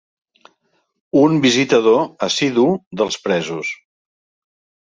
Un visitador assidu dels presos.